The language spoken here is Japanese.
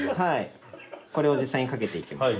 これを実際に掛けていきます。